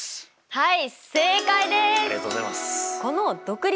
はい。